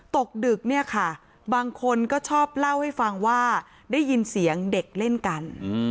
ตกดึกเนี่ยค่ะบางคนก็ชอบเล่าให้ฟังว่าได้ยินเสียงเด็กเล่นกัน